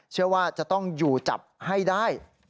เชื่อว่าจะต้องอยู่จับให้ได้